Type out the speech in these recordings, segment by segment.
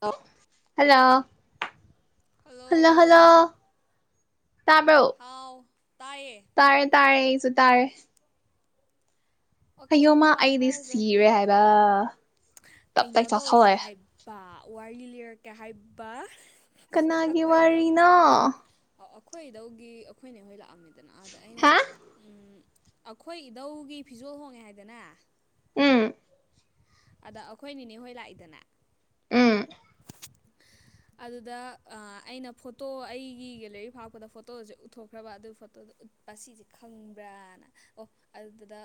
ꯂ hello hello hello ꯇꯕꯣ ꯍꯥꯎ ꯇꯥꯏꯌꯦ ꯇꯥꯔꯦ ꯇꯥꯔꯦ ꯑꯩꯁꯨ ꯇꯥꯔꯦ ꯑꯣꯀꯦ ꯃꯤ ꯍꯌꯡꯃ ꯋꯥ ꯑꯩꯗꯤ ꯉꯥꯡꯅꯔꯁꯦ ꯁꯤꯔꯦ ꯍꯥꯏꯕ ꯇꯞ ꯇꯥꯏ ꯀꯩꯅꯣ ꯇꯧꯋꯦꯅ ꯆꯥꯛꯊꯂꯛꯑꯦ ꯍꯥꯏꯕ ꯋꯥꯔꯤ ꯂꯤꯔꯛꯀꯦ ꯍꯥꯏꯕ ꯀꯅꯥꯒꯤ ꯋꯥꯔꯤꯅꯣ ꯑꯩꯈꯣꯏꯗꯧꯒꯤ ꯑꯩꯈꯣꯏꯅꯦꯍꯣꯏ ꯂꯥꯛꯑꯝꯃꯤꯗꯅ ꯑꯥꯗ ꯑꯩꯅ ꯍꯥ ꯑꯩꯈꯣꯏ ꯏꯙꯧꯒꯤ ꯐꯤꯖꯣꯜ ꯍꯣꯡꯉꯦ ꯍꯥꯏꯗꯅ ꯎꯝ ꯑꯗ ꯑꯩꯈꯣꯏ ꯅꯦ ꯍꯣꯏ ꯂꯥꯛꯏꯗꯅꯦ ꯎꯝ ꯑꯗꯨꯗ ꯑꯩꯅ ꯐꯣꯇꯣ ꯑꯩꯒꯤ ꯒꯦꯂꯔꯤ ꯐꯥꯎꯄꯗ ꯐꯣꯇꯣꯁꯦ ꯎꯠꯊꯣꯛꯈ꯭ꯔꯕ ꯑꯗꯨꯒꯤ ꯐꯣꯇꯣꯗ ꯎꯄ ꯁꯤꯁꯦ ꯈꯪꯕ꯭ꯔꯥꯅ ꯑꯣ ꯑꯗꯨꯗꯨꯗ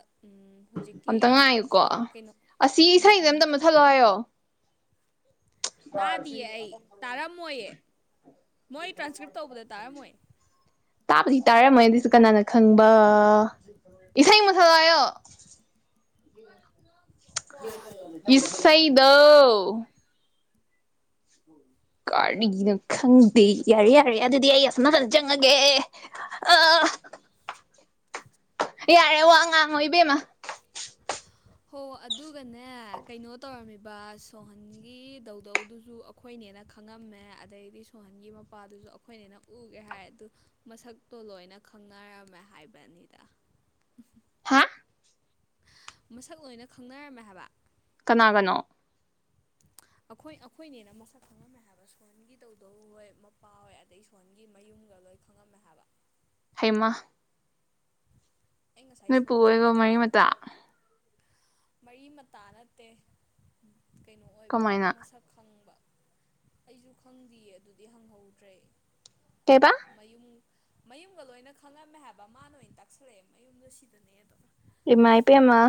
ꯑꯝꯇ ꯉꯥꯏꯌꯀꯣ ꯀꯩꯅꯣ ꯑꯁꯤ ꯎꯝ ꯏꯁꯩꯁ ꯎꯝ ꯑꯝꯇ ꯑꯃꯨ ꯊꯜꯂꯛꯑꯣ ꯍꯥꯏꯌꯣ ꯇꯥꯗꯤꯌꯦ ꯑꯩ ꯇꯥꯔꯝꯃꯣꯏꯌꯦ ꯃꯣꯏ ꯇ꯭ꯔꯥꯟꯁꯀ꯭ꯔꯤꯞ ꯇꯧꯕꯗ ꯇꯥꯔ ꯃꯣꯏ ꯇꯥꯕꯗꯤ ꯇꯥꯔꯝꯃꯣꯏ ꯑꯗꯨꯁꯨ ꯀꯅꯥꯅ ꯈꯪꯕ ꯏꯁꯩ ꯃꯁꯛ ꯍꯥꯏꯌꯣ ꯏꯩꯗ ꯀꯥꯔꯅꯤꯒꯤꯅꯣ ꯈꯪꯗꯦ ꯌꯥꯔꯦ ꯌꯥꯔꯦ ꯑꯗꯨꯗꯤ ꯑꯩ ꯑꯁꯝꯅ ꯈꯅ ꯆꯪꯉꯒꯦ [inaudible] ꯌꯥꯔꯦ ꯋꯥ ꯉꯥꯡꯉꯣꯏ ꯏꯕꯦꯝꯃ ꯍꯣ ꯑꯗꯨꯒꯅꯦ ꯀꯩꯅꯣ ꯇꯧꯔꯝꯃꯤꯕ ꯁꯣꯍꯟꯒꯤ ꯗꯧꯗꯧꯗꯨꯁꯨ ꯑꯩꯈꯣꯏꯅꯦꯅ ꯈꯪꯉꯝꯃꯦ ꯑꯗꯩꯗꯤ ꯁꯣꯍꯟꯒꯤ ꯃꯄꯥꯗꯨꯁꯨ ꯑꯩꯈꯣꯏꯅꯦꯅ ꯎꯒꯦ ꯍꯥꯏ ꯑꯗꯨ ꯃꯁꯛꯇꯣ ꯂꯣꯏꯅ ꯈꯪꯅꯔꯝꯃꯦ ꯍꯥꯏꯕꯅꯤꯗ ꯍꯥ ꯃꯁꯛ ꯂꯣꯏꯅ ꯈꯪꯅꯔꯝꯃꯦ ꯍꯥꯏꯕ ꯀꯅꯥ ꯀꯅꯣ ꯑꯩꯈꯣꯏ ꯑꯩꯈꯣꯏꯅꯦꯅ ꯃꯁꯛ ꯈꯪꯉꯝꯃꯦ ꯍꯥꯏꯕ ꯁꯣꯟꯒꯤ ꯇꯧꯗꯧꯍ‌ꯣꯏ ꯃꯄꯥꯍ‌ꯣꯏ ꯑꯗꯒꯤ ꯁꯣꯟꯒꯤ ꯃꯌꯨꯝ ꯒ ꯂꯣꯏ ꯈꯪꯉꯝꯃꯦ ꯍꯥꯏꯕ ꯍꯩꯃ ꯑꯩ ꯉꯁꯥꯏ ꯅꯨꯣꯏꯄꯨ ꯁꯣꯛ ꯑꯣꯏꯕ ꯆꯠꯂꯤꯅꯦ ꯃꯔꯤ ꯀꯩꯅꯣ ꯃꯇꯥ ꯃꯔꯤ ꯃꯇꯥ ꯅꯠꯇꯦ ꯀꯩꯅꯣ ꯑꯣꯏꯕ ꯀꯃꯥꯏꯅ ꯃꯁꯛ ꯈꯪꯕ ꯑꯩꯁꯨ ꯈꯪꯗꯦꯌꯦ ꯑꯗꯨꯗꯤ ꯍꯪꯍꯧꯗ꯭ꯔꯦ ꯀꯕ ꯃꯌꯨꯝ ꯃꯌꯨꯝꯒ ꯂꯣꯏꯅ ꯈꯪꯂꯝꯝꯃꯦ ꯍꯥꯏꯕ ꯃꯥꯅ ꯑꯣꯏꯅ ꯇꯛꯁꯂꯛꯑꯦ ꯃꯌꯨꯝꯗ ꯁꯤꯗꯅꯦ ꯑꯗꯨꯒ ꯏꯃ ꯏ ꯄꯃ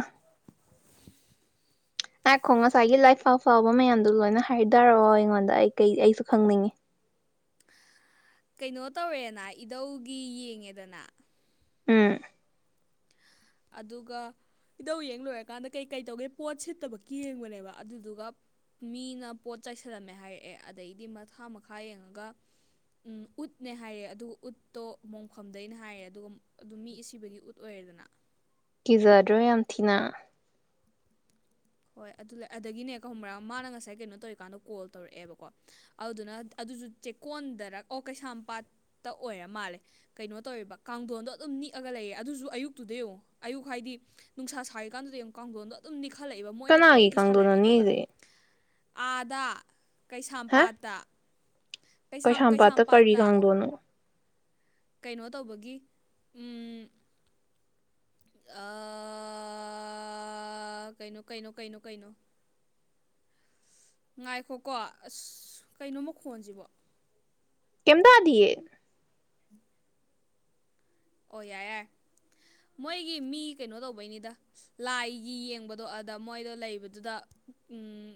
ꯍꯥꯏꯈꯣ ꯉꯁꯥꯏꯒꯤ ꯂꯥꯏꯐ ꯐꯕ ꯃꯌꯥꯝꯗꯣ ꯂꯣꯏꯅ ꯍꯥꯏ ꯇꯔꯑꯣ ꯑꯩꯉꯣꯟꯗ ꯑꯩ ꯀ ꯑꯩꯁꯨ ꯈꯪꯅꯤꯡꯉꯤ ꯀꯩꯅꯣ ꯇꯧꯔꯦꯅ ꯏꯙꯧꯒꯤ ꯌꯦꯡꯉꯦꯗꯅ ꯎꯝ ꯑꯗꯨꯗꯨꯒ ꯏꯙꯧ ꯌꯦꯡ ꯂꯣꯏꯔꯀꯥꯟꯗ ꯀꯩꯀꯩ ꯇꯧꯒꯦ ꯄꯣꯠ ꯁꯤꯠꯇꯕꯀꯤ ꯌꯦꯡꯕꯅꯦꯕ ꯑꯗꯨꯗꯨꯒ ꯃꯤꯅ ꯄꯣꯠ ꯆꯥꯏꯁꯜꯂꯝꯃꯦ ꯍꯥꯏꯔꯛꯑꯦ ꯑꯗꯩꯗꯤ ꯃꯈꯥ ꯃꯈꯥ ꯌꯦꯡꯉꯒ ꯎꯝ ꯎꯠꯅꯦ ꯍꯥꯏꯌꯦ ꯑꯗꯨꯒ ꯎꯠꯇꯣ ꯃꯣꯡꯐꯝꯗꯩꯅ ꯍꯥꯏꯌꯦ ꯑꯗꯨꯒ ꯑꯗꯨꯝ ꯃꯤ ꯁꯤꯕꯒꯤ ꯎꯠ ꯑꯣꯏꯔꯦ ꯑꯗꯨꯅ ꯀꯤꯖꯗ꯭ꯔꯣ ꯌꯥꯝ ꯊꯤꯅ ꯍꯣꯏ ꯑꯗꯨ ꯑꯗꯒꯤꯅꯦ ꯀ ꯍꯨꯝꯕꯔꯥꯡ ꯃꯥꯅ ꯉꯁꯥꯏ ꯀꯩꯅꯣ ꯇꯧꯔꯤꯀꯥꯟꯗ ꯀꯣꯜ ꯇꯧꯔꯛꯑꯦꯕꯀꯣ ꯑꯗꯨꯗꯨꯅ ꯑꯗꯨꯁꯨ ꯆꯦꯛꯀꯣꯟꯗꯔ ꯑꯣ ꯀꯩꯁꯥꯝꯄꯥꯠꯇ ꯑꯣꯏꯔ ꯃꯥꯜꯂꯦ ꯀꯩꯅꯣ ꯇꯧꯔꯤꯕ ꯀꯥꯡꯊꯣꯟꯗꯣ ꯑꯗꯨꯝ ꯅꯤꯛꯑꯒ ꯂꯩꯑꯌꯦ ꯑꯗꯨꯁꯨ ꯑꯌꯨꯛꯇꯨ ꯌꯦꯡꯨ ꯑꯌꯨꯛ ꯍꯥꯏꯗꯤ ꯅꯨꯡꯁꯥ ꯁꯥꯥꯏꯔꯤꯀꯥꯟꯗꯨꯗ ꯑꯃꯨꯛ ꯀꯥꯡꯊꯣꯟꯗꯣ ꯑꯗꯨꯝꯅꯤꯛꯈꯂꯛꯦ ꯀꯅꯥꯒꯤ ꯀꯪꯗꯅꯣꯅꯤꯁꯦ ꯑꯥꯗ ꯀꯩꯁꯥꯝꯄꯥꯠꯇ ꯀꯩꯁꯥꯝ ꯀꯩꯁꯥꯄꯥꯇ ꯀꯔꯤ ꯀꯩꯁꯥꯝꯄꯥꯠꯇ ꯀꯥꯡꯗ‌ꯣꯟꯅꯣ ꯀꯩꯅꯣ ꯇꯧꯕꯒꯤ ꯑ ꯀꯩꯅꯣ ꯀꯩꯅꯣ ꯀꯩꯅꯣ ꯀꯩꯅꯣ ꯉꯥꯏꯈꯣꯀꯣ ꯑꯁ ꯀꯩꯅꯣꯝꯃ ꯈꯣꯟꯁꯤꯕꯣ ꯀꯩꯝ ꯇꯥꯗꯤꯌꯦ ꯑꯣꯌꯥ ꯃꯣꯏꯒꯤ ꯃꯤ ꯀꯩꯅꯣ ꯇꯧꯕꯩꯅꯤꯗ ꯂꯥꯏꯒꯤ ꯌꯦꯡꯕꯗꯣ ꯑꯗ ꯃꯣꯏꯗꯣ ꯂꯩꯕꯗꯨꯗ ꯎꯝ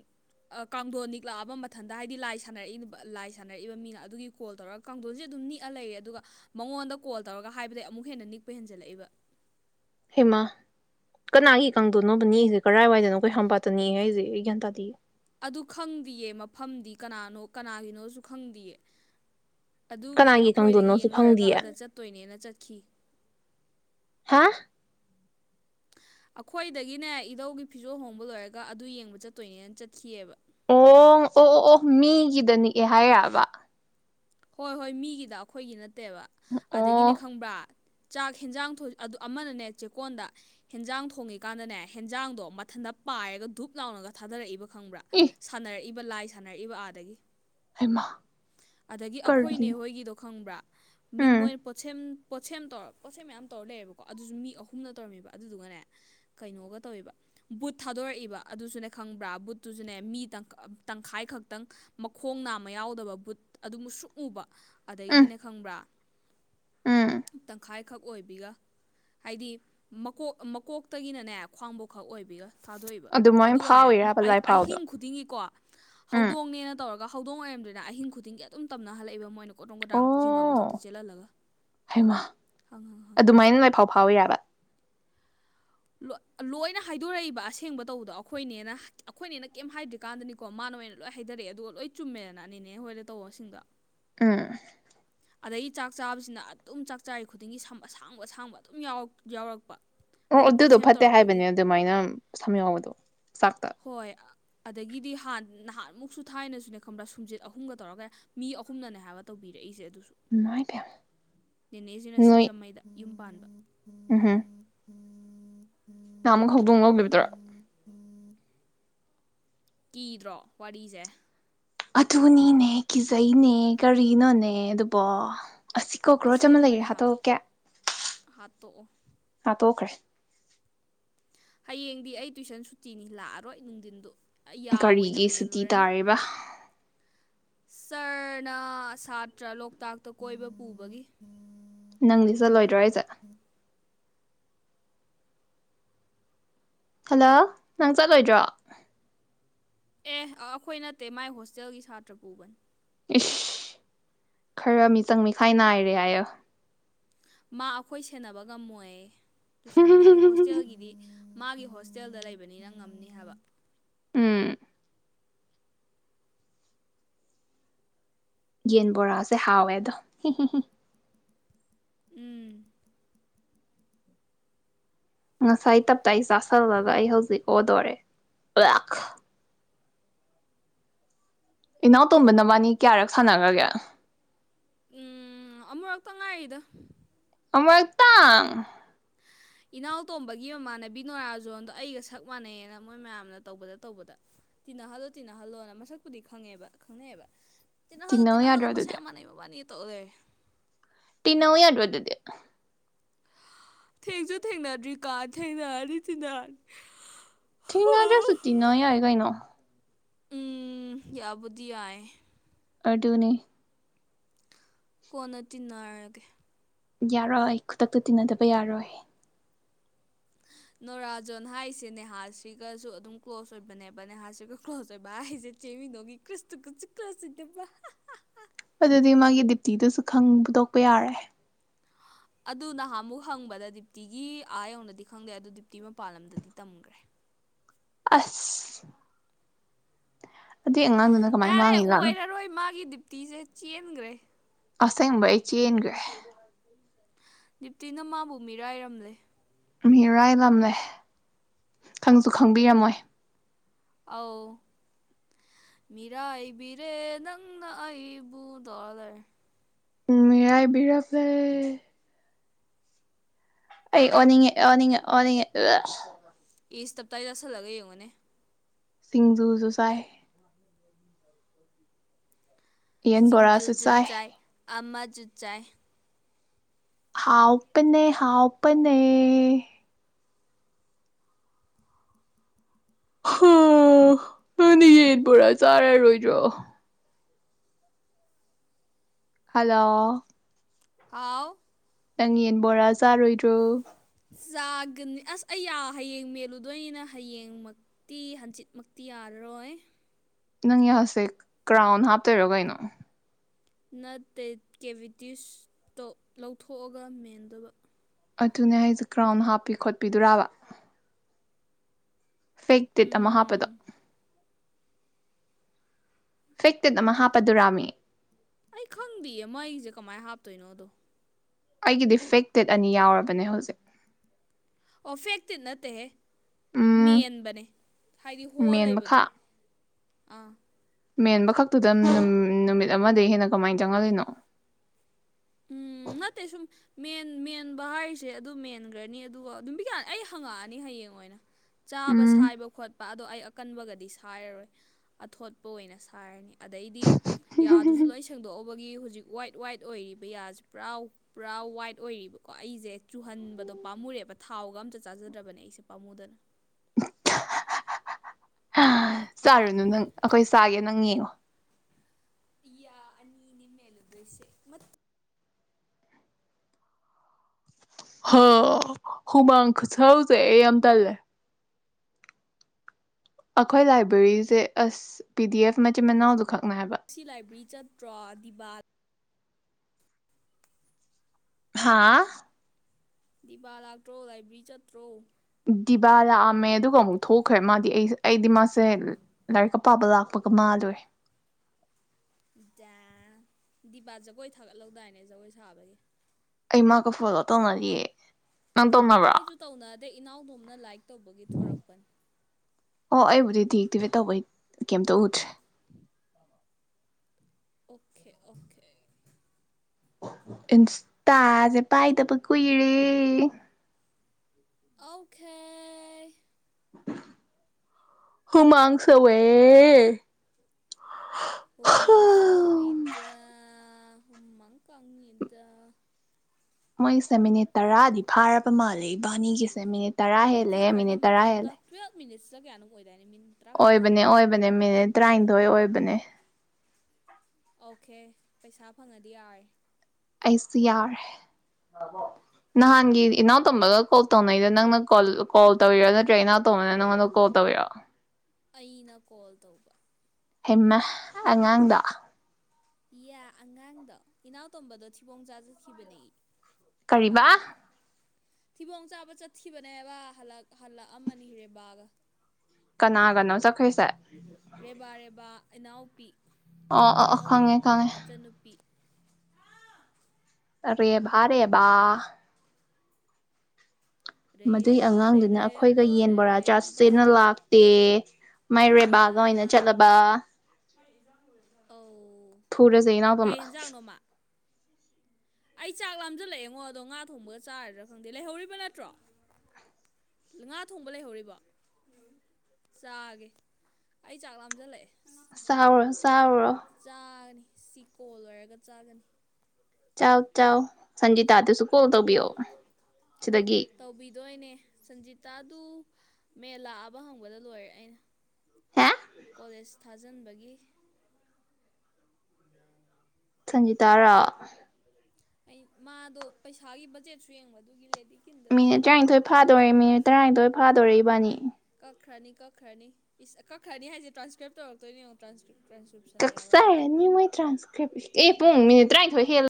ꯀꯥꯡꯊꯣꯟ ꯅꯤꯛꯂꯛꯑꯕ ꯃꯊꯟꯗ ꯍꯥꯏꯗꯤ ꯂꯥꯏ ꯁꯥꯟꯅꯔꯛꯏꯕ ꯂꯥꯏ ꯁꯥꯟꯅꯔꯛꯏꯕ ꯃꯤꯅ ꯑꯗꯨꯒꯤ ꯀꯣꯜ ꯇꯧꯔꯒ ꯀꯥꯡꯊꯣꯟꯁꯦ ꯑꯗꯨꯝ ꯅꯤꯛꯑ ꯂꯩꯔꯦ ꯑꯗꯨꯒ ꯃꯉꯣꯟꯗ ꯀꯣꯜ ꯇꯧꯔꯒ ꯍꯥꯏꯕꯗꯒꯤ ꯑꯃꯨꯛ ꯍꯦꯟꯅ ꯅꯤꯛꯄ ꯍꯦꯟꯖꯜꯂꯛꯏꯕ ꯍꯦꯃꯥ ꯀꯅꯥꯒꯤ ꯀꯪꯗꯧꯅꯣꯕꯅꯦ ꯑꯩꯁꯦ ꯀꯔꯥꯏꯋꯥꯏꯗꯅꯣꯈꯣꯏ ꯍꯝꯄꯥꯠꯇꯅꯤ ꯍꯥꯏꯁꯦ ꯑꯩ ꯒ꯭ꯌꯥꯟ ꯇꯥꯗꯦ ꯑꯗꯨ ꯈꯪꯗꯌꯦ ꯃꯐꯝꯗꯤ ꯀꯅꯥꯅꯣ ꯀꯅꯥꯒꯤꯅꯣꯁꯨ ꯈꯪꯗꯦꯌꯦ ꯑꯗꯨꯒꯤ ꯀꯅꯥꯒꯤ ꯑꯩꯈꯣꯏꯗꯒꯤ ꯀꯥꯡꯗꯣꯟꯅꯣꯁꯨ ꯌꯦꯡꯂ ꯂꯣꯏꯔꯒ ꯈꯪꯗꯤꯌꯦ ꯑꯗ ꯆꯠꯇꯣꯏꯅꯦꯅ ꯆꯠꯈꯤ ꯍꯥ ꯑꯩꯈꯣꯏꯗꯒꯤꯅꯦ ꯏꯙꯧꯒꯤ ꯐꯤꯖꯣꯜ ꯍꯣꯡꯕ ꯂꯣꯏꯔꯒ ꯑꯗꯨ ꯌꯦꯡꯕ ꯆꯠꯇꯣꯏꯅꯦꯅ ꯆꯠꯈꯤꯑꯕ ꯑꯣ ꯑꯣ ꯑꯣ ꯃꯤꯒꯤꯗꯅꯤꯛꯑ ꯍꯥꯏꯔꯛꯑꯕ ꯍꯣꯏ ꯍꯣꯏ ꯃꯤꯒꯤꯗ ꯑꯩꯈꯣꯏꯒꯤ ꯅꯠꯇꯦꯕ ꯑꯣ ꯑꯗꯒꯤꯅꯦ ꯈꯪꯕ꯭ꯔꯥ ꯆꯥꯛ ꯍꯦꯟꯖꯥꯡ ꯑꯗꯨ ꯑꯃꯅꯅꯦ ꯆꯦꯛꯀꯣꯟꯗ ꯍꯦꯟꯖꯥꯡ ꯊꯣꯡꯉꯤꯀꯥꯟꯗꯅꯦ ꯍꯦꯟꯖꯥꯡꯗꯣ ꯃꯊꯟꯇ ꯄꯥꯏꯔꯒ ꯙꯨꯞ ꯂꯥꯎꯅꯒ ꯊꯥꯗꯔꯛꯏꯕ ꯈꯪꯕ꯭ꯔꯥ ꯏ ꯁꯥꯟꯅꯔꯛꯏꯕ ꯂꯥꯏ ꯁꯥꯟꯅꯔꯛꯏꯕ ꯑꯥꯗꯒꯤ ꯑꯃ ꯑꯗꯒꯤ ꯑꯩꯈꯣꯏꯅꯦ ꯍꯣꯏꯒꯤꯗꯣ ꯈꯪꯕ꯭ꯔꯥ ꯃꯤ ꯎꯝ ꯃꯣꯏ ꯄꯣꯠꯁꯦꯝ ꯄꯣꯠꯁꯦꯝ ꯇꯧꯔ ꯄꯣꯠꯁꯦꯝ ꯃꯌꯥꯝ ꯇꯧꯔ ꯂꯩꯌꯦꯕꯀꯣ ꯑꯗꯨꯁꯨ ꯃꯤ ꯑꯍꯨꯝꯅ ꯇꯧꯔꯝꯃꯦꯕ ꯑꯗꯨꯗꯨꯒꯅꯦ ꯀꯩꯅꯣꯒ ꯇꯧꯋꯦꯕ ꯕꯨꯠ ꯊꯥꯗꯣꯔꯛꯏꯕ ꯑꯗꯨꯁꯨꯅꯦ ꯈꯪꯕ꯭ꯔꯥ ꯕꯨꯠꯇꯨꯁꯨꯅꯦ ꯃꯤ ꯇꯪꯈꯥꯏ ꯈꯛꯇꯪ ꯃꯈ ꯈꯣꯡ ꯅꯥꯝꯃ ꯌꯥꯎꯗꯕ ꯕꯨꯠ ꯑꯗꯨꯃ ꯁꯛꯎꯨꯕ ꯎꯝ ꯑꯗꯗꯒꯤꯗꯤꯅ ꯈꯪꯕ꯭ꯔꯥ ꯎꯝ ꯇꯪꯈ ꯈꯛ ꯑꯣꯏꯕꯤꯒ ꯍꯥꯏꯗꯤ ꯃꯀꯣꯛ ꯃꯀꯣꯛꯇꯒꯤꯅꯅꯦ ꯈ꯭ꯋꯥꯡꯕꯣꯛꯈꯛ ꯑꯣꯏꯕꯤꯒ ꯊꯥꯗꯣꯛꯏꯕ ꯑꯗꯨꯃꯥꯏꯅ ꯑꯗꯨꯒꯅꯦ ꯐꯥꯎꯋꯤꯔꯕ ꯂꯥꯏꯐꯥꯎꯗꯣ ꯑꯍꯤꯡ ꯈꯨꯗꯤꯡꯒꯤꯀꯣ ꯎꯝ ꯍꯧꯗꯣꯡꯅꯦꯅ ꯇꯧꯔꯒ ꯑꯗꯨꯒ ꯍꯧꯗꯣꯡ ꯑꯣꯏꯔꯝꯗꯣꯏꯅ ꯑꯍꯤꯡ ꯈꯨꯗꯤꯡꯒꯤ ꯑꯗꯨꯝ ꯇꯝꯅ ꯍꯜꯂꯛꯏꯕ ꯃꯣꯏꯅ ꯀꯣꯗꯣꯡ ꯀꯗꯥꯡ ꯆꯤꯡꯒ ꯃꯊꯛꯇ ꯑꯣ ꯆꯦꯜꯍꯜꯂꯒ ꯍꯩꯃ ꯍꯪ ꯍꯪ ꯍꯪ ꯑꯗꯨꯃꯥꯏꯅ ꯂꯥꯏꯐꯥꯎ ꯐꯥꯎꯋ ꯌꯥꯕ ꯂꯣꯏꯅ ꯍꯥꯏꯗꯣꯔꯛꯏꯕ ꯑꯁꯦꯡꯕ ꯇꯧꯕꯗꯣ ꯑꯩꯈꯣꯏꯅꯦꯅ ꯑꯩꯈꯣꯏꯅꯦꯅ ꯀꯩꯝ ꯍꯥꯏꯗ꯭ꯔꯤꯀꯥꯟꯗꯅꯤꯀꯣ ꯃꯥꯅ ꯅ ꯂꯣꯏ ꯍꯥꯏꯔꯛꯑꯦ ꯑꯗꯨꯒ ꯂꯣꯏ ꯆꯨꯝꯃꯦꯗꯅ ꯑꯅꯤꯅꯦ ꯍꯣꯏꯅ ꯇꯧꯕꯁꯤꯡꯣ ꯑꯥ ꯑꯗꯗꯒꯤ ꯆꯥꯛ ꯆꯥꯕꯁꯤꯅ ꯑꯗꯨꯝ ꯆꯥꯛ ꯆꯥꯔꯤ ꯈꯨꯗꯤꯡꯒꯤ ꯑꯁꯥꯡꯕ ꯑꯁꯥꯡꯕ ꯑꯗꯨꯝ ꯌꯥꯎꯔꯛꯄ ꯑꯣ ꯍꯥꯏꯗꯤ ꯑꯗꯨꯗꯣ ꯄꯣꯠꯁꯦꯝ ꯐꯠꯇꯦ ꯇꯧꯔꯛꯄꯒꯤ ꯍꯥꯏꯕꯅꯦ ꯑꯗꯨꯃꯥꯏꯅ ꯁꯝ ꯌꯥꯕꯗꯣ ꯆꯥꯛꯇ ꯍꯣꯏ ꯑꯗꯒꯤꯗꯤ ꯍꯥꯟ ꯅꯍꯥꯟꯃꯨꯛꯁꯨ ꯊꯥꯏꯅꯁꯨꯅꯦ ꯈꯪꯕ꯭ꯔꯥ ꯁꯨꯝꯆꯠ ꯑꯍꯨꯝꯒ ꯇꯧꯔꯒ ꯃꯤ ꯑꯍꯨꯝ ꯁꯅꯅꯦ ꯍꯥꯏꯕ ꯇꯧꯕꯤꯔꯛꯏꯁꯦ ꯑꯗꯨꯁꯨ ꯏꯃꯥꯏ ꯄꯦꯝꯃ ꯅꯦꯅꯦꯁꯤꯅ ꯁꯤꯡꯖꯃꯩꯗ ꯌꯨꯝ ꯄꯥꯟꯕ ꯎꯝ ꯍꯝ ꯅꯍꯥꯟ ꯑꯃꯨꯛ ꯍꯧꯗꯣꯡ ꯉꯧꯈꯤꯕꯗꯨꯔꯥ ꯀꯤꯗ꯭ꯔꯣ ꯋꯥꯔꯤꯁꯦ ꯑꯗꯨꯅꯤꯅꯦ ꯀꯤꯖꯩꯅꯦ ꯀꯔꯤꯅꯣꯅꯦ ꯑꯗꯨꯕꯣ ꯑꯁꯤ ꯀꯣꯀ꯭ꯔꯣꯆ ꯑꯃ ꯂꯩꯔꯦ ꯑꯁꯦꯡꯕꯅꯦ ꯍꯥꯏꯕ ꯍꯥꯠꯇꯣꯛꯀꯦ ꯍꯥꯠꯇꯣꯛꯑꯣ ꯍꯥꯠꯇꯣꯛꯈ꯭ꯔꯦ ꯍꯌꯦꯡꯗꯤ ꯑꯩ ꯇꯨꯏꯁꯟ ꯁꯨꯇꯤꯅꯤ ꯂꯥꯛꯑꯔꯣꯏ ꯅꯨꯡꯊꯤꯟꯗꯨ ꯀꯔꯤꯒꯤ ꯁꯨꯇꯤ ꯇꯥꯔꯤꯕ ꯁꯥꯔꯅ ꯁꯥꯇ꯭ꯔ ꯂꯣꯛꯇꯥꯛꯇ ꯀꯣꯏꯕ ꯄꯨꯕꯒꯤ ꯅꯪꯗꯤ ꯆꯠꯂꯣꯏꯗ꯭ꯔꯣ ꯑꯩꯁꯦ ꯍꯜꯂꯣ ꯅꯪ ꯆꯠꯂꯣꯏꯗ꯭ꯔꯣ ꯑꯦ ꯑꯩꯈꯣꯏ ꯅꯠꯇꯦ ꯃꯥꯏ ꯍꯣꯁꯇꯦꯜꯒꯤ ꯁꯥꯇ꯭ꯔ ꯄꯨꯕꯅꯤ ꯏꯁ ꯈꯔ ꯃꯤꯆꯪ ꯃꯤꯈꯥꯏ ꯅꯥꯏꯔꯦ ꯑꯌ ꯃꯥ ꯑꯩꯈꯣꯏ ꯁꯦꯟꯅꯕ ꯉꯝꯃꯣꯏ ꯇꯨꯏꯁꯟꯒꯤꯗꯤ ꯍꯣꯁꯇꯦꯜꯒꯤꯗꯤ ꯃꯥꯒꯤ ꯍꯣꯁꯇꯦꯜꯗ ꯂꯩꯕꯅꯤꯅꯪ ꯉꯝꯅꯤ ꯍꯥꯏꯕ ꯎꯝ ꯌꯦꯟ ꯕꯣꯔꯥꯁꯦ ꯍꯥꯎꯋꯦ ꯑꯗꯣ ꯎꯝ ꯉꯁꯥꯏ ꯇꯞꯇ ꯑꯩ ꯆꯥꯥꯁꯜꯂꯒ ꯑꯩ ꯍꯧꯖꯤꯛ ꯑꯣꯗꯣꯔꯦ ꯏꯅꯥꯎꯇꯣꯝꯕꯅ ꯃꯥꯅꯤ ꯀꯌꯥꯔꯛ ꯁꯥꯟꯅꯈ꯭ꯔꯒꯦ ꯎꯝ ꯑꯃꯛ ꯋꯥꯛꯇ ꯉ ꯏꯗ ꯑꯃꯛꯇꯥꯡ ꯏꯅꯥꯎ ꯇꯣꯝꯕꯒꯤ ꯃꯃꯥꯟꯅꯕꯤ ꯅꯣꯔꯥꯖꯣꯟꯗꯣ ꯑꯩꯒ ꯁꯛ ꯃꯥꯟꯅꯩꯌꯦꯅ ꯃꯣꯏ ꯃꯌꯥꯝꯅ ꯇꯧꯕꯗ ꯇꯧꯕꯗ ꯇꯤꯟꯅꯍꯜꯂꯣ ꯇꯤꯟꯅꯍꯜꯂꯣꯅ ꯃꯁꯛꯄꯨꯗꯤ ꯈꯪꯉꯦꯕ ꯈꯪꯅꯩꯌꯦꯕ ꯇꯤꯜꯍꯜꯂꯣ ꯇꯤꯟꯅꯧ ꯇꯤꯜꯅꯍꯜꯂꯣ ꯌꯥꯗ꯭ꯔꯣ ꯃꯁꯦ ꯑꯗꯨꯗꯤ ꯃꯥꯟꯅꯩ ꯃꯕꯥꯅꯤ ꯌꯦ ꯇꯣꯛꯂꯦ ꯇꯤꯤꯟꯎ ꯌꯥꯝꯗꯕꯗꯗꯤꯦ ꯊꯦꯡꯁꯨ ꯊꯦꯡꯅꯗ꯭ꯔꯤꯀꯥ ꯊꯦꯡꯅꯔꯤꯁꯤꯅ ꯊꯅꯗꯁꯨꯇꯤꯅ ꯌꯥꯏ ꯀꯥꯏꯩꯅꯣ ꯎꯝ ꯌꯥꯕꯨꯗꯤ ꯌꯥꯑ ꯑꯗꯨꯅꯦ ꯀꯣꯟꯅ ꯇꯤꯟꯅꯔꯒꯦ ꯌꯥꯔꯣꯏ ꯑꯩ ꯈꯨꯗꯛꯇ ꯇꯤꯟꯅꯗꯕ ꯌꯥꯔꯣꯏ ꯎ ꯅꯣꯔꯥꯖꯣꯟ ꯍꯥꯏꯔꯤꯁꯦ ꯅꯦꯍꯥꯁꯤꯒꯁꯨ ꯑꯗꯨꯝ ꯀ꯭ꯂꯣꯁ ꯑꯣꯏꯕꯅꯦꯕ ꯅꯦꯍꯥꯁꯤꯒ ꯀ꯭ꯂꯣꯁ ꯑꯣꯏꯕ ꯍꯥꯏꯔꯤꯁꯦ ꯆ ꯅꯨꯃꯤꯗꯤ ꯀ꯭ꯔꯤꯨ ꯀ ꯆ ꯀ꯭ꯔꯁꯤꯠꯇꯦꯕ ꯑꯗꯨꯗꯤ ꯃꯥꯒꯤ ꯗꯤꯞꯇꯤꯗꯨꯁꯨ ꯈꯪ ꯄꯨꯗꯣꯛꯄ ꯌꯥꯔꯦ ꯑꯗꯨ ꯅꯍꯥꯟꯃꯨꯛ ꯍꯪꯕꯗ ꯗꯤꯞꯇꯤꯒꯤ ꯑꯥ ꯌꯧꯅꯗꯤ ꯈꯪꯗꯦ ꯑꯗꯨ ꯗꯤꯞꯇꯤ ꯃꯄꯥꯜ ꯂꯝꯗꯗꯤ ꯇꯝꯈ꯭ꯔꯦ [unintelligible] ꯑꯁ ꯑꯇꯩ ꯑꯉꯥꯡꯗꯨꯅ ꯀꯃꯥꯏꯅ ꯃꯥꯡꯉꯤꯖꯥꯠꯅꯣ ꯇꯤꯖꯦ ꯆ ꯌꯦꯅꯒ꯭ꯔꯦ ꯑꯁꯦꯡꯕ ꯑꯩ ꯆꯦꯟꯈ꯭ꯔꯦ ꯗꯤꯞꯇꯤꯅ ꯃꯥꯕꯨ ꯃꯤꯔꯥꯏꯔꯝꯂꯦ ꯃꯤꯔꯥꯏ ꯂꯝꯅꯦ ꯈꯪꯁꯨ ꯈꯪꯕꯤꯔꯝꯃꯣꯏ ꯑꯧ ꯃꯤꯔꯥꯏꯕꯤꯔꯦ ꯅꯪꯅ ꯑꯩꯕꯨ ꯇꯧꯔ ꯂꯩꯔꯦ ꯃꯤꯔꯥꯏꯕꯤꯔꯛꯂꯦ ꯑꯩ ꯑꯣꯅꯤꯡꯉꯦ ꯑꯣꯅꯤꯡꯉꯦ ꯑꯣꯅꯤꯡꯉꯦ ꯏꯁ ꯇꯞꯇꯥꯢ ꯆꯥꯁꯤꯜꯂꯒ ꯌꯦꯡꯉꯨꯅꯦ ꯁꯤꯡꯖꯨꯁꯨ ꯆꯥꯏ ꯌꯦꯟ ꯁꯤꯡꯖꯨ ꯕꯣꯔꯥꯁꯨ ꯖꯨ ꯆꯥꯏ ꯆꯥꯢ ꯑꯃꯖꯨ ꯆꯥꯢ ꯍꯥꯎ ꯄꯅꯦ ꯍꯥꯎ ꯄꯅꯦ ꯅꯣꯢꯅꯤ ꯌꯦꯟ ꯄꯨꯔꯥꯒ ꯆꯥꯔꯔꯣꯏꯗ꯭ꯔꯣ ꯍꯜꯂꯣ ꯍꯥꯎ ꯅꯪ ꯌꯦꯟ ꯕꯣꯔꯥ ꯆꯥꯔꯣꯏꯗ꯭ꯔꯣ ꯆꯥꯒꯅꯤ ꯑꯁ ꯑꯩꯌꯥ ꯍꯌꯦꯡ ꯃꯦꯜꯂꯨꯗꯣꯏꯅꯤꯅ ꯍꯌꯦꯡꯃꯛꯇꯤ ꯍꯟꯆꯤꯠꯃꯛꯇꯤ ꯌꯥ ꯔꯣꯏ ꯅꯪ ꯌꯥꯍꯧꯁꯦ ꯀ꯭ꯔꯥꯎꯟ ꯍꯥꯞꯇꯣꯏꯔꯣ ꯀꯩꯅꯣ ꯅꯠꯇ ꯀꯦꯚꯤꯇꯤꯁꯇꯣ ꯂꯧꯊꯣꯛꯑꯒ ꯃꯦꯟꯗꯣꯢꯕ ꯑꯗꯨꯅꯦ ꯑꯩꯁ ꯀ꯭ꯔꯥꯎꯟ ꯍꯥꯞꯄꯤ ꯈꯣꯠꯄꯤꯗꯨꯔꯕ ꯐꯦꯛ ꯇꯤꯠ ꯑꯃ ꯎꯝ ꯍꯥꯞꯄꯗꯣ ꯐꯦꯛꯇꯤꯠ ꯑꯃ ꯍꯥꯞꯄꯗꯨꯔꯥꯝꯃꯤ ꯑꯩ ꯈꯪꯗꯦꯌꯦ ꯃꯩꯁꯦ ꯀꯃꯥꯏꯅ ꯍꯥꯞꯇꯣꯏꯅꯣꯗꯣ ꯑꯩꯒꯤꯗꯤ ꯐꯦꯛꯇꯦꯠ ꯑꯅꯤ ꯌꯥꯎꯔꯕꯅꯦ ꯍꯧꯖꯤꯛ ꯑꯣ ꯐꯦꯛꯇꯤꯠ ꯅꯠꯇꯦꯍꯦ ꯎꯝ ꯃꯦꯟꯕꯅꯦ ꯍꯥꯏꯗꯤ ꯍꯣꯜ ꯃꯦꯟꯕ ꯂꯩꯕꯗꯣ ꯈꯥ ꯑꯥ ꯃꯦꯟꯕ ꯈꯛꯇꯗ ꯅꯨꯃꯤꯠ ꯑꯃꯗꯒꯤ ꯍꯦꯟꯅ ꯀꯃꯥꯏ ꯆꯪꯍꯜꯂꯤꯅꯣ ꯎꯝ ꯅꯠꯇꯦ ꯁꯨꯝ ꯃꯦꯟ ꯃꯦꯟꯕ ꯍꯥꯏꯁꯦ ꯑꯗꯨꯝ ꯃꯦꯟꯈ꯭ꯔꯅꯤ ꯑꯗꯨꯒ ꯑꯗꯨꯝ ꯅꯨꯃꯤꯠ ꯑꯩ ꯍꯪ ꯉꯥꯛꯑꯅꯤ ꯍꯌꯦꯡ ꯑꯣꯏꯅ ꯆꯥꯕ ꯎꯝ ꯁꯥꯏꯕ ꯈꯣꯠꯄ ꯑꯗꯣ ꯑꯩ ꯑꯀꯟꯕꯒꯗꯤ ꯁꯥꯏꯔꯔꯣꯏ ꯑꯊꯣꯠꯄ ꯑꯣꯏꯅ ꯁꯥꯢꯔꯅꯤ ꯑꯗꯩꯗꯤ ꯌꯥꯗꯨꯁꯨ ꯂꯣꯏ ꯁꯦꯡꯗꯣꯛꯑꯣꯕꯒꯤ ꯍꯧꯖꯤꯛ ꯋꯥꯏꯠ ꯋꯥꯏꯠ ꯑꯣꯏꯔꯤ ꯕ ꯌꯥꯁꯦ ꯄꯨꯔꯥ ꯄꯨꯔꯥ ꯋꯥꯏꯠ ꯑꯣꯏꯔꯤꯕꯀꯣ ꯑꯩꯁꯦ ꯆꯨꯍꯟꯕꯗꯣ ꯄꯥꯝꯃꯨꯔꯦꯕ ꯊꯥꯎꯒ ꯑꯝꯇ ꯆꯥ ꯆꯥꯖꯗ꯭ꯔꯕꯅꯦ ꯑꯩꯁꯦ ꯄꯥꯝꯃꯨꯗꯅ ꯆꯥꯔꯨꯅꯨ ꯅꯪ ꯑꯈꯣꯏ ꯆꯥꯒꯦ ꯅꯪ ꯌꯦꯡꯉꯣ ꯏꯌꯥ ꯑꯅꯤꯅꯦ ꯃꯦꯟꯂꯨꯗꯣꯢꯁꯦ ꯃꯠ ꯍꯣ ꯍꯨꯃꯥꯡ ꯈꯨꯁꯧꯁꯦ ꯑꯩ ꯌꯥꯝ ꯇꯜꯂꯦ ꯑꯈꯣꯏ ꯂꯥꯏꯕ꯭ꯔꯦꯔꯤꯁꯦ ꯑꯁ ꯄꯤ ꯗꯤ ꯑꯦꯐ ꯃꯆꯤꯟ ꯃꯅꯥꯎꯗꯨ ꯈꯛ ꯉꯁꯤ ꯂꯥꯏꯕ꯭ꯔꯦꯔꯤ ꯆꯠꯇ꯭ꯔꯣ ꯗꯤꯕꯥꯜ ꯍꯥꯥ ꯗꯤꯕꯥ ꯂꯥꯛꯇ꯭ꯔꯣ ꯂꯥꯏꯕ꯭ꯔꯦꯔꯤ ꯆꯠꯇ꯭ꯔꯣ ꯗꯤꯕꯥ ꯂꯥꯛꯑꯝꯃꯦ ꯑꯗꯨꯒ ꯑꯃꯨꯛ ꯊꯣꯛꯈ꯭ꯔꯦ ꯃꯥꯗꯤ ꯑꯩ ꯑꯩꯗꯤ ꯃꯥꯁꯦ ꯂꯥꯏꯔꯤꯛꯀ ꯄꯥꯕ ꯂꯥꯛꯄ ꯑꯃꯥꯜꯂꯣꯏ ꯗꯥ ꯗꯤꯕꯥ ꯖꯒꯣꯏ ꯊꯥꯒꯠꯍꯧꯗꯥꯏꯅꯦ ꯖꯒꯣꯏ ꯁꯥꯕꯒꯤ ꯑꯩ ꯃꯒ ꯐꯣꯂꯣ ꯇꯧꯅꯔꯤꯌꯦ ꯅꯪ ꯇꯧꯅꯕ꯭ꯔꯣ ꯑꯩꯁꯨ ꯇꯧꯅꯗꯦ ꯏꯅꯥꯎ ꯅꯣꯝꯅ ꯂꯥꯏꯛ ꯇꯧꯕꯒꯤ ꯊꯣꯔꯛꯄꯅꯤ ꯑꯣ ꯑꯩꯕꯨꯗꯤꯗꯤ ꯑꯦꯛꯇꯤꯚꯦꯠ ꯇꯧꯕꯩ ꯀꯩꯝꯇ ꯎꯗ꯭ꯔꯦ ꯑꯣꯀꯦ ꯑꯣꯀꯦ ꯏꯟꯁꯇꯥꯁꯦ ꯄꯥꯏꯗꯕ ꯀꯨꯏꯔꯦ ꯑꯧꯈꯦ ꯍꯨꯃꯥꯡ ꯁꯧꯋꯦ ꯑꯦ ꯑꯣ ꯃꯥꯡꯁꯋꯤꯗ ꯑꯝꯇ ꯇꯗꯦ ꯃꯣꯏꯁꯦ ꯃꯤꯅꯤꯠ ꯇꯔꯥꯗꯤ ꯐꯥꯔꯕ ꯃꯥꯜꯂꯦ ꯏꯕꯥꯅꯤꯒꯤꯁꯦ ꯃꯤꯅꯤꯠ ꯇꯔꯥ ꯀꯛꯊꯠ ꯍꯦꯜꯂꯦ ꯈꯔꯅꯤ ꯃꯤꯅꯤꯠ ꯇꯔꯥ ꯃꯇꯣꯝꯇ ꯍꯦꯜꯂꯦ ꯇꯨꯋꯦꯜꯞ ꯃꯤꯅꯤꯠꯁꯇ ꯀꯌꯥꯃꯨꯛ ꯑꯣꯏꯗ ꯑꯣꯏꯕꯅꯦ ꯑꯣꯏꯕꯅꯦ ꯃꯤꯅꯤꯠ ꯇꯔꯥꯅꯤꯊꯣꯏ ꯑꯣꯏꯕꯅꯦ ꯑꯣꯀꯦ ꯄꯩꯁꯥ ꯐꯪꯉꯗꯤ ꯌꯥꯔꯦ ꯑꯩꯁꯨꯌꯥꯔꯦ ꯇꯗꯦ ꯅꯍꯥꯟꯒꯤ ꯏꯅꯥꯎ ꯇꯣꯝꯕꯒ ꯀꯣꯜ ꯇꯧꯅꯩꯗ ꯅꯪꯅ ꯀꯣꯜ ꯇꯧꯕꯤꯔꯣ ꯅꯠꯇ꯭ꯔꯒ ꯏꯅꯥꯎ ꯇꯝꯕꯅ ꯅꯪꯉꯣꯟꯗ ꯀꯣꯜ ꯇꯕꯔ ꯑꯩꯅ ꯀꯣꯜ ꯇꯧꯕ ꯍꯃ ꯑꯉꯥꯡꯗꯣ ꯏ ꯑꯉꯥꯡꯗꯣ ꯏꯅꯥꯎꯇꯣꯝꯕꯗꯣ ꯊꯤꯕꯣꯡ ꯆꯥꯖꯈꯤꯕꯅꯦ ꯔꯦ ꯀꯔꯤꯕ ꯒ ꯊꯤꯕꯣꯡ ꯆꯥꯕ ꯆꯠꯈꯤꯕꯅꯦꯕ ꯍꯜꯂꯛꯑꯃ ꯍꯔꯦꯕꯥꯒ ꯀꯅꯥ ꯀꯅꯣ ꯆꯠꯈꯩꯁꯦ ꯔꯦꯕꯥ ꯔꯦꯕꯥ ꯏꯅꯥꯎꯄꯤ ꯑ ꯑ ꯑ ꯃꯅꯥꯎꯄꯤ ꯈꯪꯉꯦ ꯈꯪꯉꯦ ꯃꯆꯟꯅꯨꯄꯤ ꯑꯦꯕ ꯔꯦꯕꯕꯥ ꯃꯗꯨꯏ ꯔꯦꯄꯥ ꯑꯉꯥꯡꯗꯨꯅ ꯑꯩꯈꯣꯏꯒ ꯔꯦꯔꯦꯄꯥ ꯌꯦꯟ ꯕꯣꯔꯥ ꯔꯦꯔꯦꯄꯥ ꯆꯥꯁꯦꯅ ꯔꯦꯄꯥ ꯂꯥꯛꯇꯦ ꯏꯌꯥ ꯃꯥꯏꯔꯦꯕꯒ ꯑꯣꯏꯅ ꯆꯠꯂꯕ ꯑꯧ ꯐꯨꯔꯁꯦ ꯀꯩ ꯏꯅꯥꯎꯇꯣꯝꯕ ꯌꯦꯟꯖꯥꯡꯅꯣꯃ ꯑꯩ ꯆꯥꯛ ꯂꯥꯝꯖꯜꯂꯛꯑꯦꯉꯣ ꯑꯗꯣ ꯉꯥ ꯊꯣꯡꯕꯒ ꯆꯥꯔꯗ꯭ꯔꯥ ꯈꯪꯗꯦ ꯂꯩꯍꯧꯔꯤꯕ ꯅꯠꯇ꯭ꯔꯣ ꯉꯥ ꯊꯣꯡꯕ ꯂꯩꯍꯧꯔꯤꯕ ꯆꯥꯒꯦ ꯑꯩ ꯆꯥꯛ ꯂꯥꯝꯁꯤꯜꯂꯛꯑꯦ ꯆꯋ ꯆꯥꯎ ꯁꯤꯀꯣ ꯂꯣꯏꯔꯒ ꯆꯥꯒꯅꯤ ꯆꯥꯎ ꯆꯥꯎ ꯁꯪꯒꯤꯇꯥꯗꯨꯁꯨ ꯀꯣꯜ ꯇꯧꯕꯤꯌꯑꯣ ꯁꯤꯗꯒꯤ ꯑꯗꯨꯗꯣꯏꯅꯦ ꯁꯟꯖꯤꯇꯥꯗꯨ ꯃꯦ ꯂꯥꯛꯑꯕ ꯍꯪꯕꯗ ꯂꯣꯏꯔꯦ ꯑꯩꯅ ꯍꯦ ꯀꯂꯦꯖ ꯊꯥꯖꯟꯕꯒꯤ ꯁꯟꯖꯤ ꯇꯥꯔꯣ ꯑꯩ ꯃꯥꯗꯣ ꯄꯩꯁꯥꯒꯤ ꯕꯖꯦꯠꯁꯨ ꯌꯦꯡꯕꯗꯨꯒꯤ ꯂꯩꯗꯤ ꯃꯤꯅꯤꯠ ꯇꯔꯥꯅꯤꯊꯣꯏ ꯐꯥꯗꯣꯔꯦ ꯃꯤꯅꯤꯠ ꯇꯔꯥꯅꯤꯊꯣꯏ ꯐꯥꯗꯣꯔꯦ ꯏꯕꯥꯅꯤ ꯀꯛꯈ꯭ꯔꯅꯤ ꯀꯛꯈ꯭ꯔꯅꯤ ꯏꯁ ꯀꯛꯈ꯭ꯔꯅꯤ ꯍꯥꯏꯁꯦ ꯇ꯭ꯔꯥꯟꯁꯀ꯭ꯔꯥꯏꯞ ꯇꯧꯔꯛꯇꯣꯏꯅꯦ ꯌꯦꯉ ꯇ꯭ꯔꯥꯟꯁꯀ꯭ꯔꯤꯞ ꯀꯛꯆꯥꯏꯔꯅꯤ ꯃꯣꯏ ꯇ꯭ꯔꯥꯟꯁꯀ꯭ꯔꯤꯞ ꯑꯦ ꯄꯨꯡ ꯃꯤꯅꯤꯠ ꯇꯔꯥꯅꯤꯊꯣꯏ ꯍꯦꯜꯂꯦ